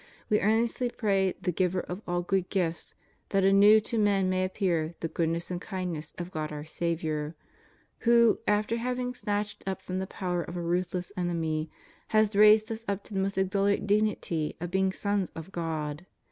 We earnestly pray the Giver of all good gifts that anew to men may appear the goodness and kind ness of God our Saviour,^ who, after having snatched us from the power of a ruthless enemy, has raised us up to the most exalted dignity of being sons of God.